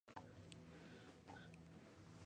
No posee barba facial.